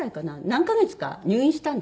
何カ月か入院したんです。